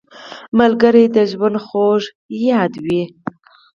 ملګری د ژوند خوږ یاد دی